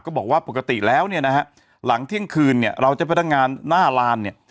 บอกว่าปกติแล้วเนี่ยนะฮะหลังเที่ยงคืนเนี่ยเราจะพนักงานหน้าลานเนี่ย